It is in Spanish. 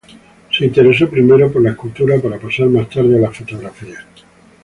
Se interesó primero por la escultura para pasar más tarde a la fotografía.